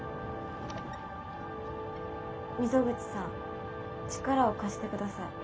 溝口さん力を貸して下さい。